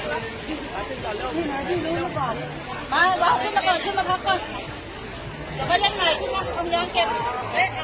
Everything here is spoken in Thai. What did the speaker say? มีชีวิตได้หรือ